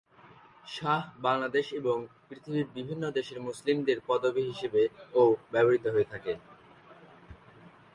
শাহ বাংলাদেশ এবং পৃথিবীর বিভিন্ন দেশের মুসলিমদের পদবি হিসেবে ও ব্যবহৃত হয়ে থাকে।